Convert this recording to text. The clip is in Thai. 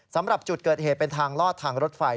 สำหรับจุดเกิดเหตุเป็นทางลอดทางรถไฟ